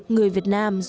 người việt nam